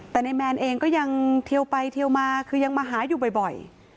แต่ในแมนเองก็ยังเทียวไปเทียวมาคือยังมาหาอยู่บ่อย